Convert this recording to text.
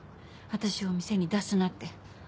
私を店に出すなって。